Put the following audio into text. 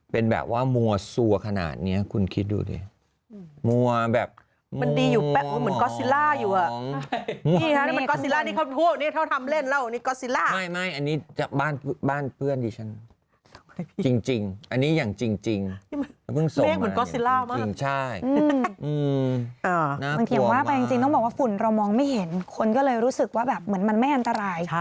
เราไม่เห็นคนก็เลยรู้สึกว่าแบบเหมือนมันไม่อันตราย